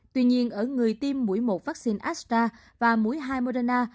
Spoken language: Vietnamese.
tuy nhiên ở người tiêm mũi một vaccine astra và mũi hai moderna